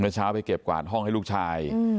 เช้าไปเก็บกวาดห้องให้ลูกชาย